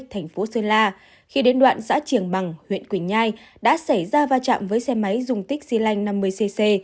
thành phố sơn la khi đến đoạn xã triềng bằng huyện quỳnh nhai đã xảy ra va chạm với xe máy dùng tích xy lanh năm mươi cc